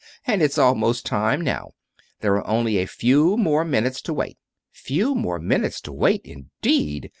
"And it's almost time now. There are only a few more minutes to wait." "Few more minutes to wait, indeed!"